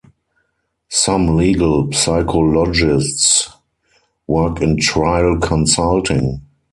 Some legal psychologists work in trial consulting.